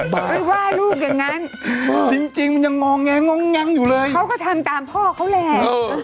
ไม่ว่าลูกอย่างนั้นจริงมันยังงอแงงอยู่เลยเขาก็ทำตามพ่อเขาแหละ